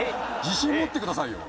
自信持ってくださいよ。